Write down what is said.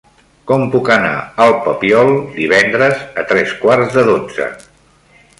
Com puc anar al Papiol divendres a tres quarts de dotze?